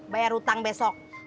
bayar utang besok